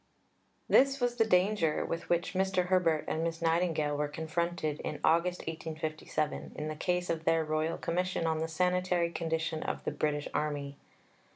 This was the danger with which Mr. Herbert and Miss Nightingale were confronted in August 1857 in the case of their Royal Commission on the sanitary condition of the British Army.